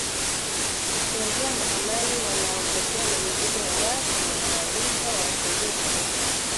Kuanzia mahamali wanaopotea na mizigo ya watu wanaowalipa wawasaidie kubeba